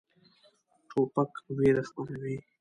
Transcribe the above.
توپک ویره خپروي.